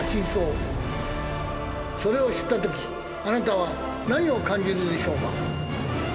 それを知ったときあなたは何を感じるのでしょうか？